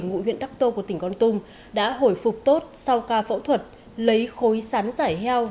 ngụy huyện đắc tô của tỉnh con tùng đã hồi phục tốt sau ca phẫu thuật lấy khối sán giải heo